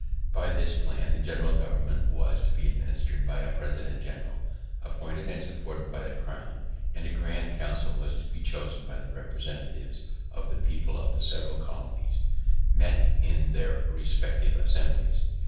] By this plan the general government was to be administered by a president general, appointed and supported by the crown, and a grand council was to be chosen by the representatives of the people of the several colonies, met in their respective assemblies.